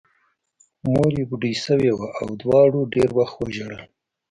مور یې بوډۍ شوې وه او دواړو ډېر وخت وژړل